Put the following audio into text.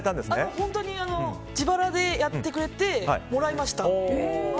本当に自腹でやってくれてもらいました。